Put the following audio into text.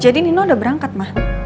jadi nino udah berangkat ma